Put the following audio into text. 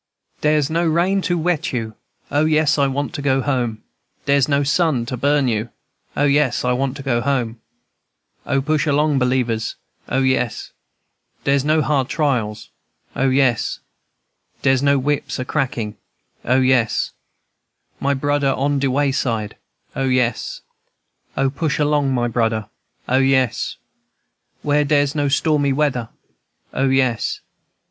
"Dere's no rain to wet you, O, yes, I want to go home. Dere's no sun to burn you, O, yes, I want to go home; O, push along, believers, O, yes, &c. Dere's no hard trials, O, yes, &c. Dere's no whips a crackin', O, yes, &c. My brudder on de wayside, O, yes, &c. O, push along, my brudder, O, yes, &c. Where dere's no stormy weather, O, yes, &c.